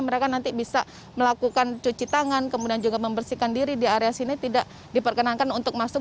mereka nanti bisa melakukan cuci tangan kemudian juga membersihkan diri di area sini tidak diperkenankan untuk masuk